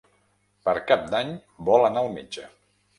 Per Cap d'Any vol anar al metge.